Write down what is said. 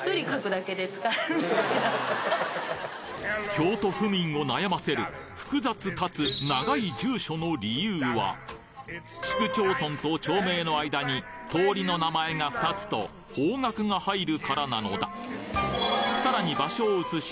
京都府民を悩ませる複雑かつ長い住所の理由は市区町村と町名の間に通りの名前が２つと方角が入るからなのださらに場所を移し